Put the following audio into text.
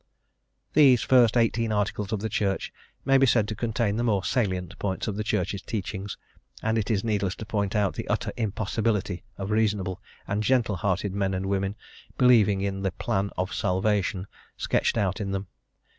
These first eighteen Articles of the Church may be said to contain the more salient points of the Church's teaching, and it is needless to point out the utter impossibility of reasonable and gentle hearted men and women believing in the "plan of, salvation" sketched out in them.